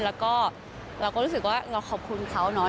แล้วก็เราก็รู้สึกว่าเราขอบคุณเขาเนาะ